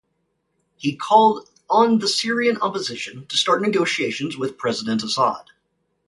He called on the Syrian opposition to start negotiations with President Assad.